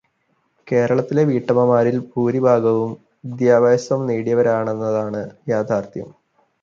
കേരളത്തിലെ വീട്ടമ്മമാരിൽ ഭൂരിഭാഗവും വിദ്യാഭ്യാസം നേടിയവരാണെന്നതാണ് യാഥാർഥ്യം.